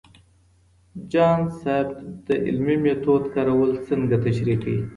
جان سبت د علمي میتود کارول څنګه تشریح کوي؟